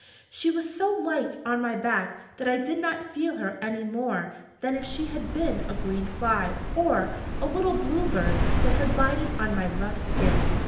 She was so light on my back that I did not feel her any more than if she had been a green fly, or a little blue bird that had lighted on my rough skin.